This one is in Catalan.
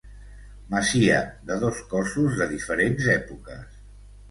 Masia de dos cossos de diferents èpoques.